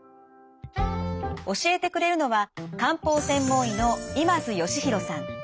教えてくれるのは漢方専門医の今津嘉宏さん。